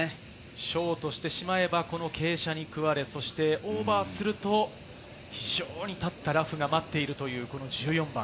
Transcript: ショートしてしまえば、この傾斜に食われ、オーバーすると非常にタフなラフが待っている１４番。